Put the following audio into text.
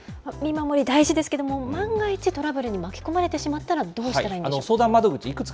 見守り、大事ですけれども、万が一、トラブルに巻き込まれてしまったらどうしたらいいんでしょう。